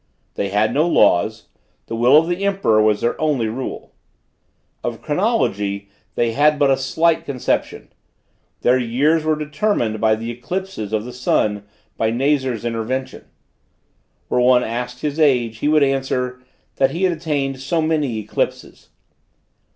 They had no laws; the will of the emperor was their only rule. Of chronology they had but a slight conception; their years were determined by the eclipses of the sun by Nazar's intervention. Were one asked his age, he would answer: that he had attained so many eclipses.